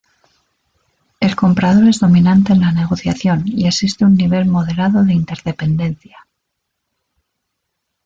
El comprador es dominante en la negociación y existe un nivel moderado de interdependencia.